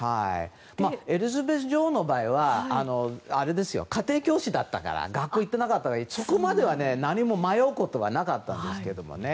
エリザベス女王の場合は家庭教師だったから学校に行っていなかったからそこまでは何も迷うことはなかったんですね。